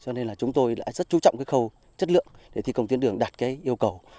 nên là chúng tôi đã rất trú trọng cái cầu chất lượng để thi công tuyến đường đạt cái yêu cầu